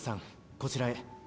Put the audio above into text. こちらへ。